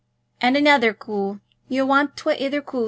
And anither coo? You'll want twa ither coos.